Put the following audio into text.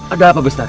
ada apa bestari